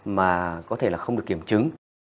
mà có thể là không được kiểm chứng